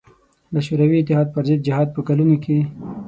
له شوروي اتحاد پر ضد جهاد په کلونو کې.